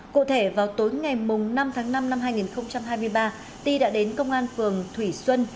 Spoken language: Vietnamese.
cụ thể vào tối ngày năm tháng năm năm hai nghìn hai mươi ba ti đã đến công an phường thủy xuân